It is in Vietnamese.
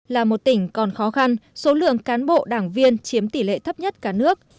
là một tỉnh còn khó khăn số lượng cán bộ đảng viên chiếm tỷ lệ thấp nhất cả nước